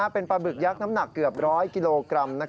เป็นปลาบึกยักษ์น้ำหนักเกือบ๑๐๐กิโลกรัม